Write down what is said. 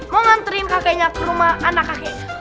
mau nganterin kakeknya ke rumah anak kakek